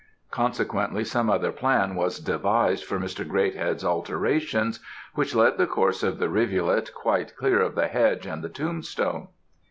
"Consequently, some other plan was devised for Mr. Greathead's alterations, which led the course of the rivulet quite clear of the hedge and the tombstone.